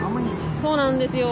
そうなんですよ。